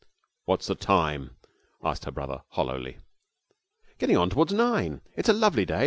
'What's the time?' asked her brother, hollowly. 'Getting on towards nine. It's a lovely day.